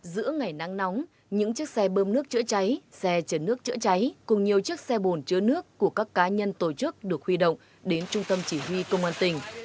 giữa ngày nắng nóng những chiếc xe bơm nước chữa cháy xe chấn nước chữa cháy cùng nhiều chiếc xe bồn chữa nước của các cá nhân tổ chức được huy động đến trung tâm chỉ huy công an tỉnh